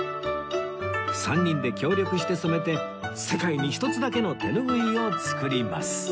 ３人で協力して染めて世界に一つだけの手ぬぐいを作ります